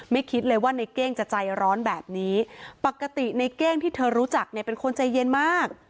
คิดเลยว่าในเก้งจะใจร้อนแบบนี้ปกติในเก้งที่เธอรู้จักเนี่ยเป็นคนใจเย็นมาก